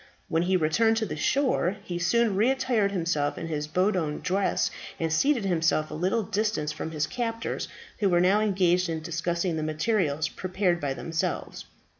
When he returned to the shore he soon re attired himself in his Bedouin dress, and seated himself a little distance from his captors, who were now engaged in discussing the materials prepared by themselves.